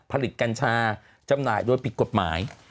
กัญชาจำหน่ายโดยผิดกฎหมาย